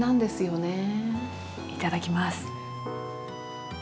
いただきます。